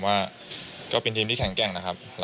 ว่าก็เป็นทีมที่แข็งแกร่งนะครับ